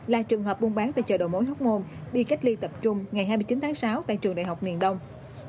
là trường hợp buôn bán tại chợ đồ mối hóc ngôn đi cách ly tập trung ngày hai mươi chín tháng sáu tại trường đại học nhiền đông